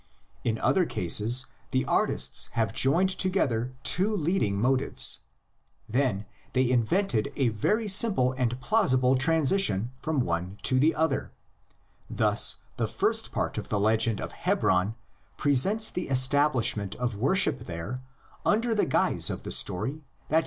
In other cases the artists have joined together two leading motives; then they invented a very simple and plausible transi tion from one to the other: thus the first part of the legend of Hebron presents the establishment of worship there under the guise of the story that 78 THE LEGENDS OF GENESIS.